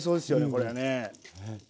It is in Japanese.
これはね。